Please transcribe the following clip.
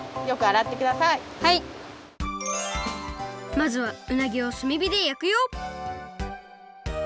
まずはうなぎをすみびで焼くよ